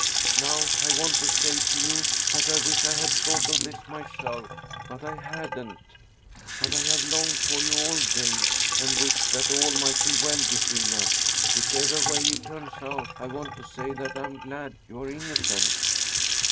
Now I want to say to you that I wish I had thought of this myself, but I hadn't. But I have longed for you all day and wished that all might be well between us. Whichever way it turns out, I want to say that I am glad you are innocent."